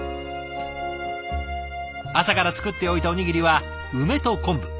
朝から作っておいたおにぎりは梅と昆布。